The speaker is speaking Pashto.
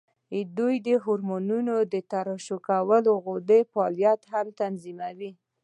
دوی د هورمونونو د ترشح کوونکو غدو فعالیت هم تنظیموي.